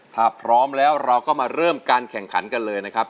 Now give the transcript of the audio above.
ถ้าพร้อมแล้วเราก็มาเริ่มการแข่งขันกันเลยนะครับ